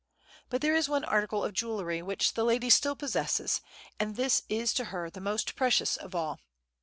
But there is one article of jewellery which the lady still possesses, and this is to her the most precious of all.